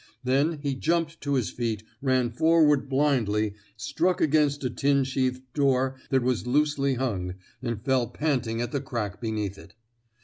Then he jumped to his feet, ran forward blindly, struck against a tin sheathed door that was loosely hung, and fell panting at the crack beneath it.